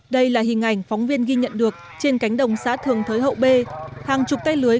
đây là hình ảnh phóng viên ghi nhận được trên cánh đồng xã thường thới hậu bê hàng chục tay lưới